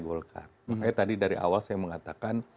golkar makanya tadi dari awal saya mengatakan